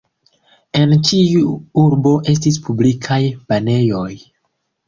En ĉiu urbo estis publikaj banejoj.